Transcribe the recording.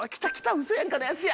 うそやんかのやつや！